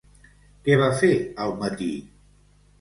Què va fer al matí?